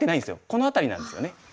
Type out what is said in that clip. この辺りなんですよね。